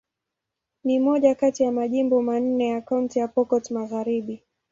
Ni moja kati ya majimbo manne ya Kaunti ya Pokot Magharibi.